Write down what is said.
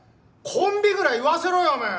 コンビぐらい言わせろよおめえ！